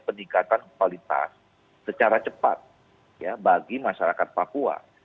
peningkatan kualitas secara cepat bagi masyarakat papua